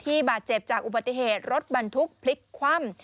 บาดเจ็บจากอุบัติเหตุรถบรรทุกพลิกคว่ำ